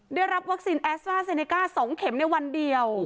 ได้รับวัคซีนแอสตราเซเนก้า๒เข็มในวันเดียว